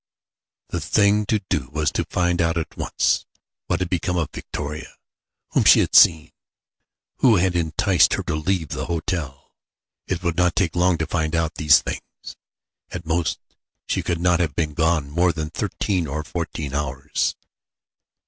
The thing to do was to find out at once what had become of Victoria, whom she had seen, who had enticed her to leave the hotel. It would not take long to find out these things. At most she could not have been gone more than thirteen or fourteen hours.